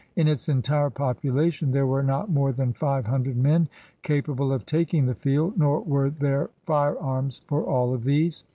In its entire population there were not more than five hundred men capa ble of taking the field, nor were there firearms for all of these.